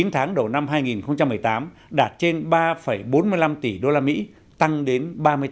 chín tháng đầu năm hai nghìn một mươi tám đạt trên ba bốn mươi năm tỷ usd tăng đến ba mươi tám